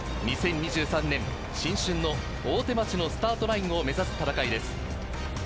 ２０２３年新春の大手町のスタートラインを目指す戦いです。